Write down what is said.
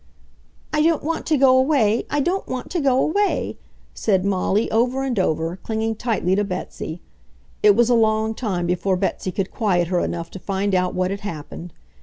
"I don't want to go away! I don't want to go away!" said Molly over and over, clinging tightly to Betsy. It was a long time before Betsy could quiet her enough to find out what had happened.